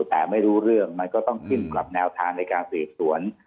แต่ไม่รู้เรื่องมันก็ต้องขึ้นกับแนวทางในการสืบสวน